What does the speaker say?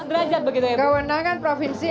sederajat begitu ya bu kewenangan provinsi